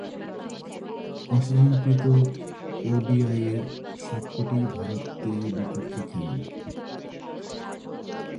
অংশগ্রহণকৃত ওডিআইয়ের সবকটিই ভারতে বিপক্ষে খেলেন।